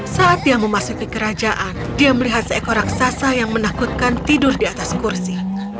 saat dia memasuki kerajaan dia melihat seekor raksasa yang menakutkan tidur di atas kursi